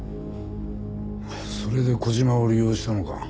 それで小島を利用したのか。